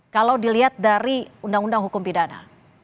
kalau dilihat dari undang undang hukum pidana